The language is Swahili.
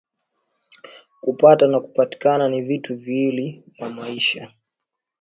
Kupata na kupatikana ni vitu viwili vya maisha